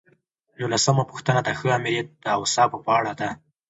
نولسمه پوښتنه د ښه آمریت د اوصافو په اړه ده.